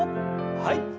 はい。